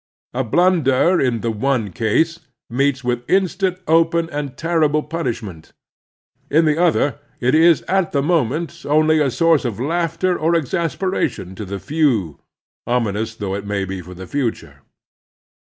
A bltmder in the one case meets with instant, open, and terrible ptinishment ; in the other, it is at the i66 The Strenuous Life moment only a source of laughter or exasperation to the few, ominotis though it may be for the future.